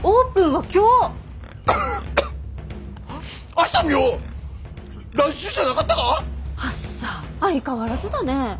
はっさ相変わらずだね。